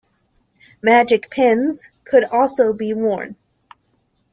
"Magic pins" could also be worn.